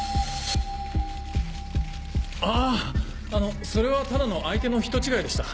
あそれはただの相手の人違いでした。